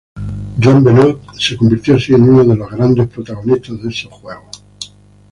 Joan Benoit se convirtió así en una de las grandes protagonistas de esos Juegos.